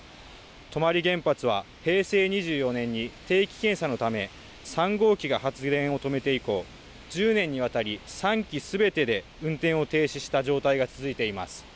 泊原発は平成２４年に定期検査のため３号機が発電を止めて以降、１０年にわたり３基すべてで運転を停止した状態が続いています。